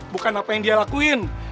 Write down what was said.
bukan apa yang dia lakuin